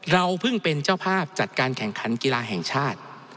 เราเพิ่งเป็นเจ้าภาพจัดการแข่งขันกีฬาแห่งชาติ